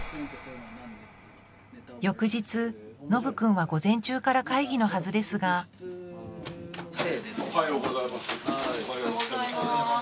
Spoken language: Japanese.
翌日のぶ君は午前中から会議のはずですがおはようございます。